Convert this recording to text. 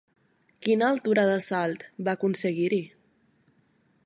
Quina altura de salt va aconseguir-hi?